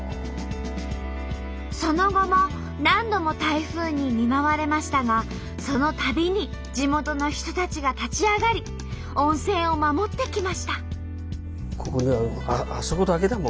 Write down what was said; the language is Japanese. その後も何度も台風に見舞われましたがそのたびに地元の人たちが立ち上がり温泉を守ってきました。